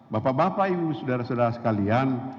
bapak bapak ibu saudara saudara sekalian